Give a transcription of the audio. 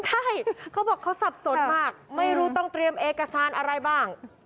ใช่เขาบอกเขาสับสนมากไม่รู้ต้องเตรียมเอกสารอะไรบ้าง